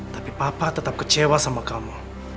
tapi papa tetap kecewa sama kamu